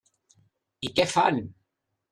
I què fan?